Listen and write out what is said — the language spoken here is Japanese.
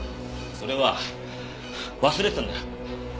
それは忘れてたんだよ。